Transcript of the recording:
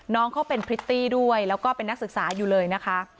น้องเขาเป็นพริตตี้ด้วยแล้วก็เป็นนักศึกษาอยู่เลยนะคะ